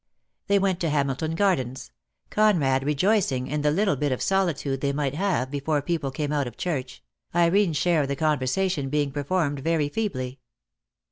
They went to Hamilton Gardens, Conrad re joicing in the little bit of solitude they might have before people came out of church, Irene's share of the conversation being performed very feebly.